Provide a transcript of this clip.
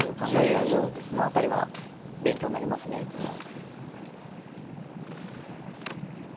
てらっしゃってその辺りは勉強になりますねいつも。